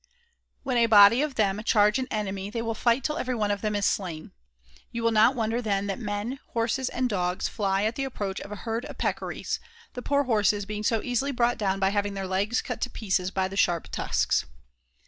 When a body of them charge an enemy they will fight till every one of them is slain. You will not wonder then that Men, Horses, and Dogs fly at the approach of a herd of Peccaries, the poor Horses being so easily brought down by having their legs cut to pieces by the sharp tusks.